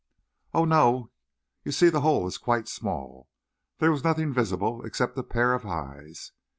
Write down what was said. "Oh, no; you see the hole is quite small. There was nothing visible except a pair of eyes.